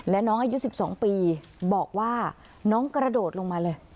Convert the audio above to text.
และน้องอายุ๑๒ปีบอกว่าน้องกระโดดลงมาเลย